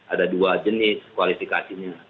ada dua jenis kualifikasinya